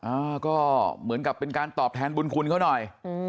อ่าก็เหมือนกับเป็นการตอบแทนบุญคุณเขาหน่อย